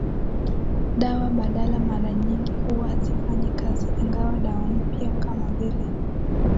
dawa badala mara nyingi huwa hazifanyi kazi ingawa dawa mpya kama vile